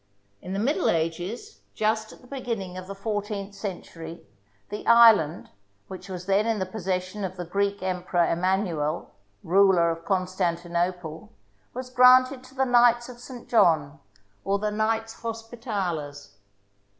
In the Middle Ages, just at the beginning of the fourteenth century, the island, which was then in the possession of the Greek Emperor Emmanuel, ruler of Constantinople, was granted to the Knights of St. John, or the Knights Hospitalers.